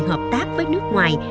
hợp tác với nước ngoài